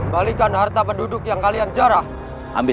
jangan lupa untuk berlangganan